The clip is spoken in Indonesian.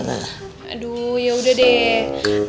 aduh yaudah deh